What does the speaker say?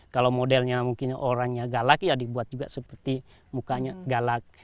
kalau modelnya mungkin orangnya galak ya dibuat juga seperti mukanya galak